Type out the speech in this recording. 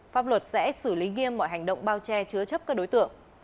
pháp luật sẽ xử lý nghiêm mọi hành động bao che chứa chấp các đối tượng